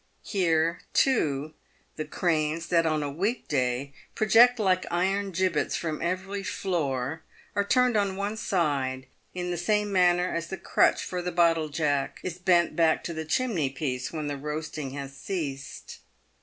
Here, too, the cranes, that on a week day project like iron gibbets from every floor, are turned on one side, in the same manner as the crutch for the bottle jack is bent back to the chimney piece when the roast ing has ceased.